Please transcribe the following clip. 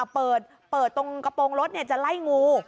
เปิดตรงกระโปรงรถจะไล่งู